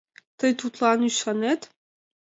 — Тый тудлан ӱшанет?